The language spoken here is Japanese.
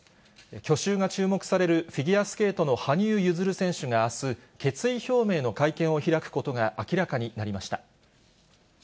去就が注目される、フィギュアスケートの羽生結弦選手があす、決意表明の会見を開くことが明らかになりました。